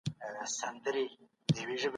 تاریخ ته له خپلي زاویې کتل سم نه دي.